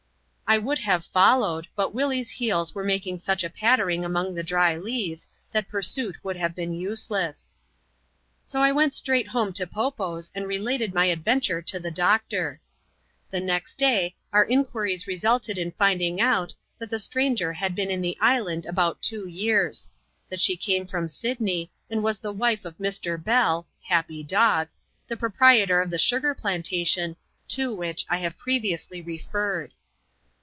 I would have followed ; but Willie's heels were making such a pattering among the dry leaves, that pursuit would have been useless. So I went straight home to Po Po's, and related my adven ture to the doctor. . The next day, our inquiries resulted in finding out, that the stranger had been in the island about two years ; that she came from Sydney; and was the wife of Mr. Bell (happy dog), the proprietor of the sugar plantation, to which I have previously referred.